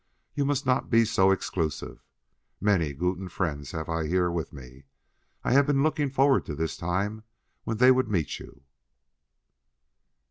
_ You must not be so exclusive. Many guten friends haff I here with me. I haff been looking forward to this time when they would meet you."